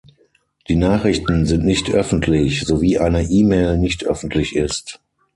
Die Nachrichten sind nicht öffentlich, so wie eine E-Mail nicht öffentlich ist.